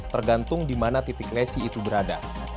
tergantung di mana titik lesi itu berada